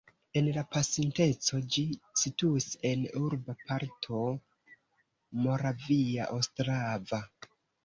En la pasinteco ĝi situis en urba parto Moravia Ostrava.